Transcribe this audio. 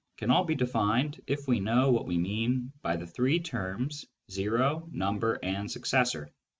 can all be defined if we know what we mean by the three terms " o," " number," and " successor."